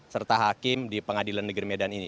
serta hakim di pengadilan negeri medan ini